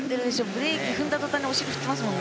ブレーキを踏んだ途端お尻振ってますもん。